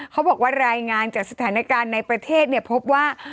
เขาบอกว่ารายงานจากสถานการณ์ในประเทศพบว่า